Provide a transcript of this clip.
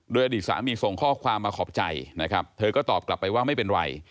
โดยอดีตสามีส่งข้อความมาขอบใจนะครับเธอก็ตอบกลับไปว่าไม่เป็นไร